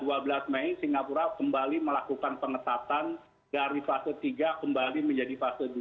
jadi singapura kembali melakukan pengetatan dari fase tiga kembali menjadi fase dua